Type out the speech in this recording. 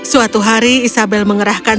suatu hari isabel mengerahkan